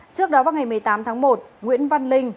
trước đó vào ngày một mươi tám tháng một nguyễn văn linh